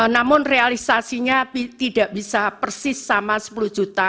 namun realisasinya tidak bisa persis sama sepuluh juta